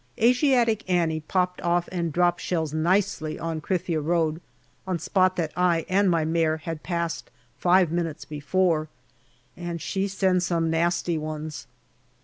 " Asiatic Annie " popped off and dropped shells nicely on Krithia road, on spot that I and my mare had passed five minutes before, and she sends some nasty ones.